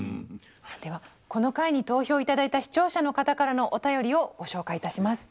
ではこの回に投票頂いた視聴者の方からのお便りをご紹介いたします。